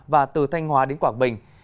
và từ thanh hóa đến quảng bình